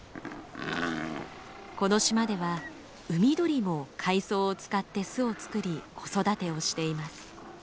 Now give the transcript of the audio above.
この島では海鳥も海藻を使って巣を作り子育てをしています。